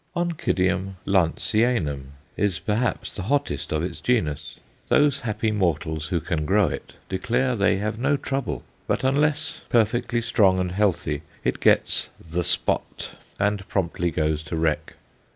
Oncidium Lanceanum is, perhaps, the hottest of its genus. Those happy mortals who can grow it declare they have no trouble, but unless perfectly strong and healthy it gets "the spot," and promptly goes to wreck.